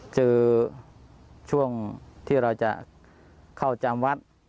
เจอช่วงที่เราจะเข้าจำวัด